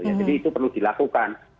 jadi itu perlu dilakukan